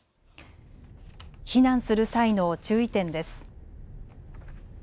避難する際の注意点です。